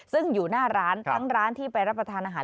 ซึ่งอยู่หน้าร้านทั้งร้านที่ไปรับประทานอาหาร